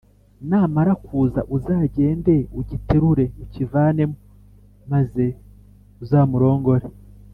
namara kuza, uzagende ugiterure, ukivanemo maze uzamurongore.”